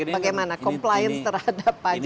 ini bagaimana compliance terhadap pajaknya